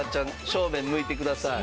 正面向いてください。